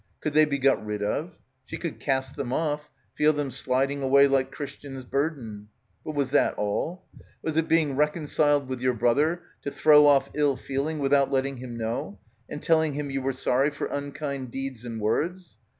Could they be got rid of? She could cast them off, feel them sliding away like Christian's Burden. But was that all? Was it being reconciled with your brother to throw off ill feeling without letting him know and tell ing him you were sorry for unkind deeds and words?